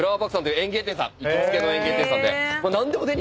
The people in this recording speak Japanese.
行きつけの園芸店さんで。